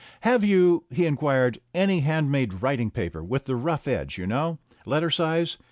"Have you," he inquired, "any hand made writing paper, with the rough edge, you know? Letter size?